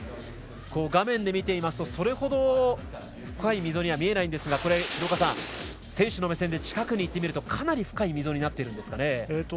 画面で見ていますとそれほど深い溝には見えませんが選手の目線で近くに行ってみるとかなり深い溝になっていますかね。